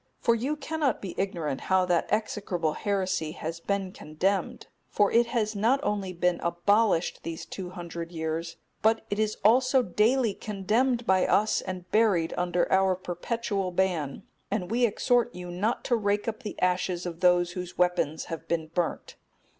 For you cannot be ignorant how that execrable heresy has been condemned; for it has not only been abolished these two hundred years, but it is also daily condemned by us and buried under our perpetual ban; and we exhort you not to rake up the ashes of those whose weapons have been burnt.